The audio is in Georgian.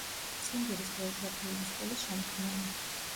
ციმბირის გეოგრაფიული სკოლის შემქმნელი.